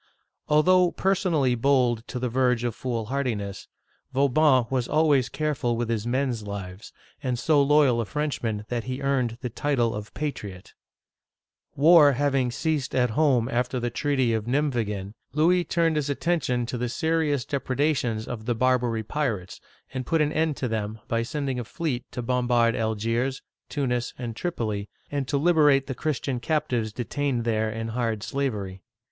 '* Although personally bold to the verge of foolhardiness, Vauban was always careful of his men's lives, and so loyal a Frenchman that he earned the title of " Patriot." ^ See Story of the English^ p. 214. Digitized by Google LOUIS XIV. (1643 1715) 345 War having ceased at home after the t reaty of Nim wegen, Louis turned his attention to the serious depreda tions of the Bar'bary pirates, and put an end to them by sending a fleet to bombard Algiers', Tunis, and Trip'oli, and to liberate the Christian captives detained there in hard slavery.